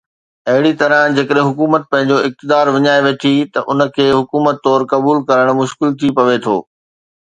اهڙي طرح جيڪڏهن حڪومت پنهنجو اقتدار وڃائي ويٺي ته ان کي حڪومت طور قبول ڪرڻ مشڪل ٿي پوي ٿو.